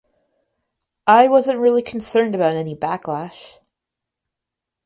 I wasn’t really concerned about any backlash.